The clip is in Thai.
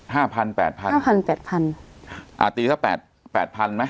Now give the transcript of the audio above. ห้าพันแปดพันห้าพันแปดพันอ่าตีสักแปดแปดพันไหม